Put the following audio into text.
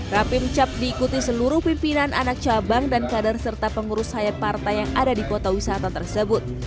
rapim cap diikuti seluruh pimpinan anak cabang dan kader serta pengurus sayap partai yang ada di kota wisata tersebut